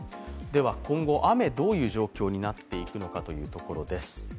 今後、雨どういう状況になっていくのかというところです。